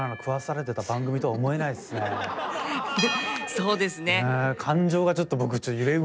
そうですね。